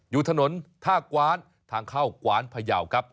อยู่ถนนท่ากว้านทางเข้ากวานพยาวครับ